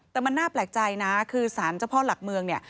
แต่มันน่าแปลกใจนะคือสารเจ้าพ่อหลักเมืองเนี่ย